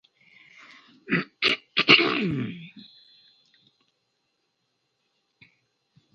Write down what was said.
Estos dos hombres se hicieron amigos rápidamente, y su estima mutua nunca fue perturbada.